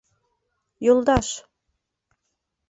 — Юлдаш!